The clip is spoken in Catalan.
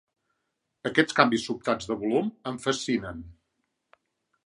Aquests canvis sobtats de volum em fascinen.